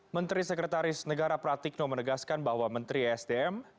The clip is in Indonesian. menteri sekretaris negara pratikno menegaskan bahwa menteri sdm